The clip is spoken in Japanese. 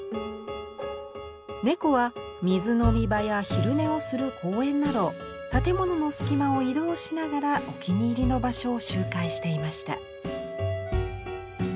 猫は水飲み場や昼寝をする公園など建物の隙間を移動しながらお気に入りの場所を周回していました。